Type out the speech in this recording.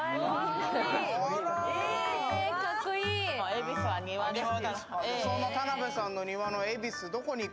恵比寿は庭です。